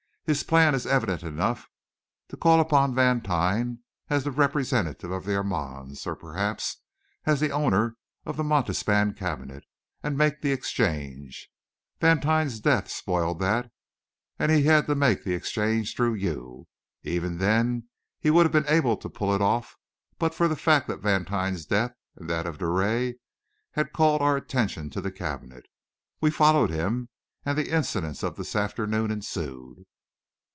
His plan is evident enough to call upon Vantine, as the representative of the Armands, or perhaps as the owner of the Montespan cabinet, and make the exchange. Vantine's death spoiled that, and he had to make the exchange through you. Even then, he would have been able to pull it off but for the fact that Vantine's death and that of Drouet had called our attention to the cabinet; we followed him, and the incidents of this afternoon ensued."